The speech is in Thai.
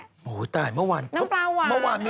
โอ้โฮตายเมื่อวานน้ำปลาหวานอะไรอย่างนี้